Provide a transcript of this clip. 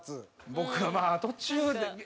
僕はまあ途中で。